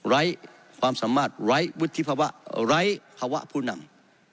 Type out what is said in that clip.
ไร้ความสามารถไร้วุฒิภาวะไร้ภาวะผู้นำ